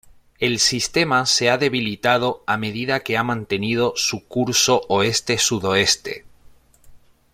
El sistema se ha debilitado a medida que ha mantenido su curso oeste-sudoeste.